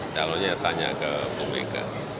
calonnya tanya ke bumk